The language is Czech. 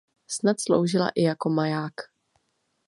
Snad sloužila i jako maják.